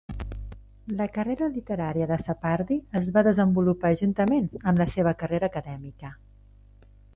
La carrera literària de Sapardi es va desenvolupar juntament amb la seva carrera acadèmica.